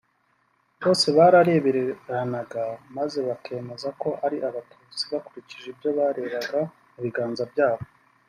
bose barareberanaga maze bakemeza ko ari abatutsi bakurikije ibyo barebaga mu biganza byabo